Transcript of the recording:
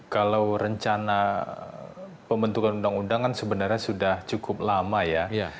kalau rencana pembentukan undang undang kan sebenarnya sudah cukup lama ya